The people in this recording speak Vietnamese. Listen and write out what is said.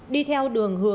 đi theo đường hướng